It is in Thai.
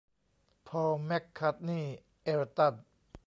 พอล แมคคาร์ทนีย์ เอลตัน